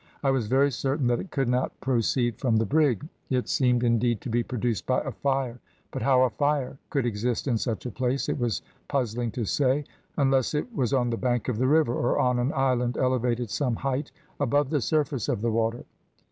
I was very certain that it could not proceed from the brig; it seemed, indeed, to be produced by a fire, but how a fire could exist in such a place, it was puzzling to say, unless it was on the bank of the river, or on an island elevated some height above the surface of the water.